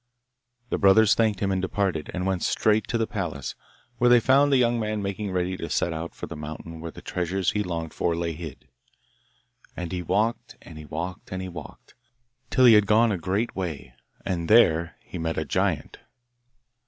The brothers thanked him, and departed, and went straight to the palace, where they found the young man making ready to set out for the mountain where the treasures he longed for lay hid. And he walked, and he walked, and he walked, till he had gone a great way, and there he met a giant.